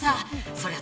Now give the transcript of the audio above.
そりゃ